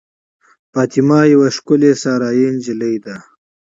فاطمه یوه ښکلې صحرايي نجلۍ ده.